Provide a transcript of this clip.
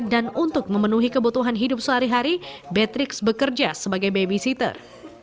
dan untuk memenuhi kebutuhan hidup sehari hari patrick bekerja sebagai babysitter